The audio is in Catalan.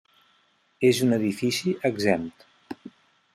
És un edifici exempt.